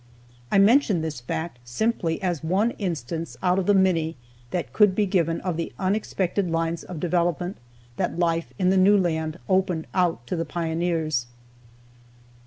I mention this fact simply as one instance out of the many that could be given of the unexpected lines of development that life in the new land opened out to the pioneers.